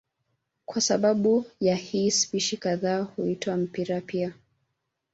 Kwa sababu ya hii spishi kadhaa huitwa mpira pia.